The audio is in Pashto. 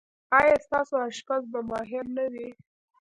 ایا ستاسو اشپز به ماهر نه وي؟